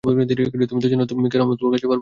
তুমি তো জানো আমি কেন তোমার কাছে বার বার আসি।